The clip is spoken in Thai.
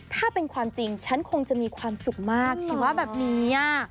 ถ้าเป็นความจริงฉันคงจะมีความสุขมากชีวะแบบนี้